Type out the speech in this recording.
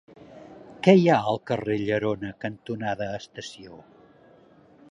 Què hi ha al carrer Llerona cantonada Estació?